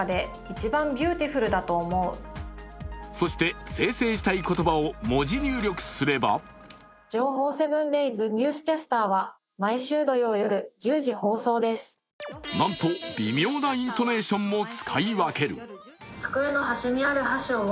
そして生成したい言葉を文字入力すればなんと、微妙なイントネーションも使い分ける。